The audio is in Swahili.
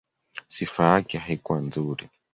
Sifa yake haikuwa nzuri.